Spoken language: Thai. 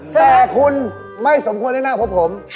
แต่คุณไม่สมควรได้นั่งพบผม